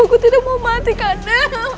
aku tidak mau mati kanda